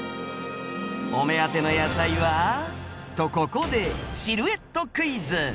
お目当ての野菜はとここでシルエットクイズ。